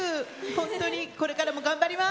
ほんとにこれからも頑張ります。